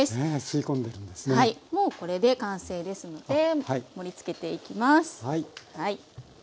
もうこれで完成ですので盛りつけていきます。